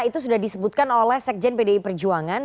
itu sudah disebutkan oleh sekjen pdi perjuangan